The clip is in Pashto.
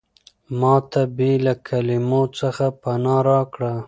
ما ته بې له کلمو څخه پناه راکړه.